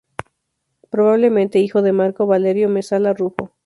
Probablemente hijo de Marco Valerio Mesala Rufo.